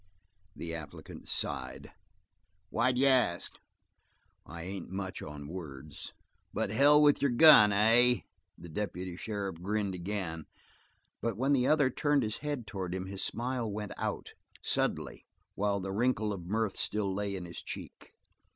The applicant sighed. "Why d'you ask?" "I ain't much on words." "But hell with your gun, eh?" The deputy sheriff grinned again, but when the other turned his head toward him, his smile went out, suddenly while the wrinkle of mirth still lay in his cheek.